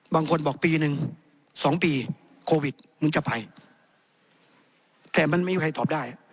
บางคนบอกปีหนึ่งสองปีโควิดมึงจะไปแต่มันไม่มีใครตอบได้